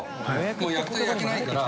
もう焼き鳥焼けないから。